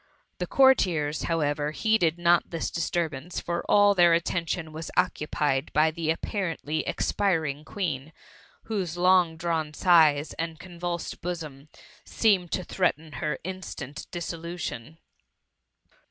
The courtiers, however, heeded not this disturbance ; for all their attention was occu pied by the apparently expiring Queen, whose long drawn sighs, and convulsed bosom, seemed to threaten her instant dissolution.